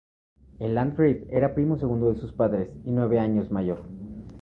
El landgrave era primo segundo de sus padres y nueve años mayor.